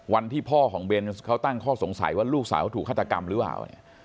วันที่พ่อของเบนส์เขาตั้งข้อสงสัยว่าลูกสาวเขาถูกฆาตกรรมหรือเปล่าเนี่ย